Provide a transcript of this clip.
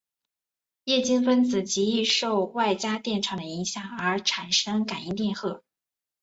液晶分子极易受外加电场的影响而产生感应电荷。